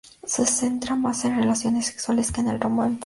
Se centra más en relaciones sexuales que en el romance.